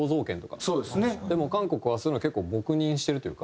でも韓国はそういうの結構黙認してるというか。